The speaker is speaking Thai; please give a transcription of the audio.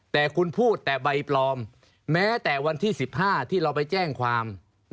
แต่คุณพูดแต่ใบปลอมแม้แต่วันที่๑๕ที่เราไปแจ้งความ